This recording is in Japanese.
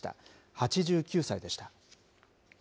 ８９歳でした。